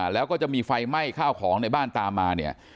แล้วก็จะมีไฟไหม้ข้าวของในบ้านตามมาเนี่ย